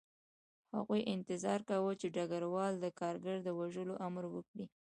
هغوی انتظار کاوه چې ډګروال د کارګر د وژلو امر وکړي